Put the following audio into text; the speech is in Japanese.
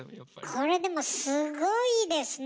これでもすごいですね